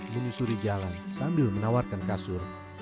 menyusuri jalan sambil menawarkan kasur